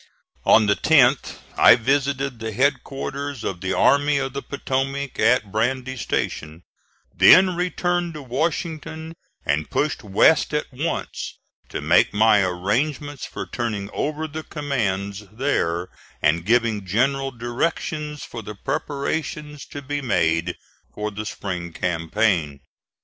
On the 10th I visited the headquarters of the Army of the Potomac at Brandy Station; then returned to Washington, and pushed west at once to make my arrangements for turning over the commands there and giving general directions for the preparations to be made for the spring campaign.